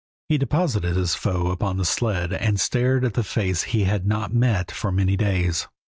He deposited his foe upon the sled and stared at the face he had not met for many days.